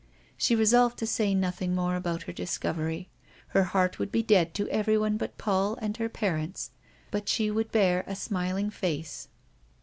She resolved to say nothing about her discovery. Her heart would be dead to everyone but Paul and her parents, but she would bear a smiling face.